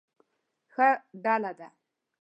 ښه ډله ده.